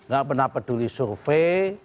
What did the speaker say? gak pernah peduli survei